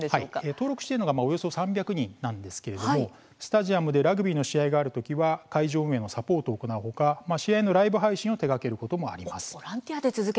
登録しているのはおよそ３００人なんですがスタジアムでラグビーの試合がある時は会場運営のサポートを行う他試合のライブ配信を手がけることもあります。